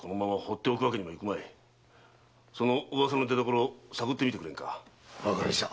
その噂の出所を探ってみてくれぬか。わかりました。